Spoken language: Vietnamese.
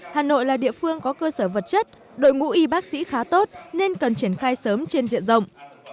hà nội là địa phương có cơ sở vật chất đội ngũ y bác sĩ khá tốt nên cần triển khai sớm trên diện rộng